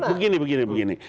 begini begini begini